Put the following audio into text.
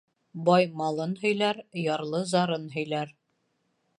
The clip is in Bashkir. Бай малын һөйләр, ярлы зарын һөйләр.